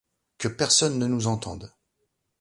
Que personne ne nous entende !